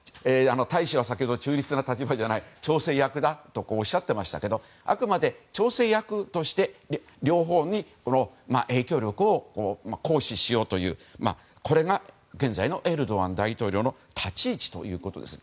大使は先ほど中立的な立場じゃない調整役だとおっしゃっていましたけどあくまで調整役として両方に影響力を行使しようというのが現在のエルドアン大統領の立ち位置ということです。